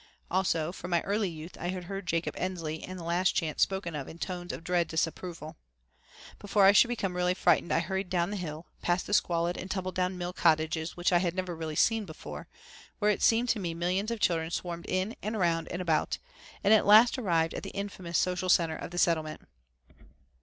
Also, from my early youth I had heard Jacob Ensley and the Last Chance spoken of in tones of dread disapproval. Before I should become really frightened I hurried down the hill, past the squalid and tumble down mill cottages which I had never really seen before, where it seemed to me millions of children swarmed in and around and about, and at last arrived at the infamous social center of the Settlement.